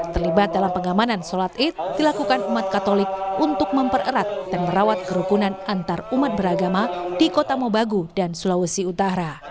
terlibat dalam pengamanan sholat id dilakukan umat katolik untuk mempererat dan merawat kerukunan antarumat beragama di kota mobagu dan sulawesi utara